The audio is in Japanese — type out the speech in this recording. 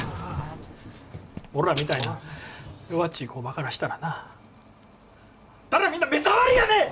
俺らみたいな弱っちい工場からしたらなあんたらみんな目障りやねん！